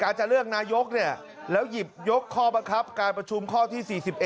จะเลือกนายกแล้วหยิบยกข้อบังคับการประชุมข้อที่๔๑